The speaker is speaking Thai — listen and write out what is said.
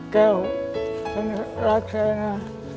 แก่วรักชัยนะ